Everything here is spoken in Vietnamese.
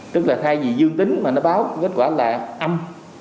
tức là thay vì dương tính mà nó báo kết quả là âm